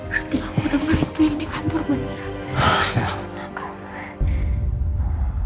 nanti aku denger itu yang di kantor beneran